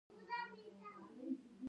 د قحطۍ د مخنیوي لپاره.